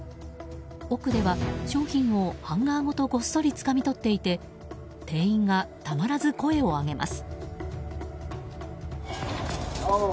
奥では商品をハンガーごとごっそり掴み取っていて店員がたまらず声を上げます。